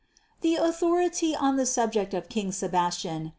The authority on the subject of King Sebastian, M.